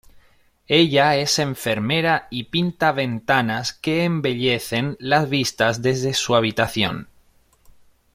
Ella es enfermera y pinta ventanas que embellecen las vistas desde su habitación.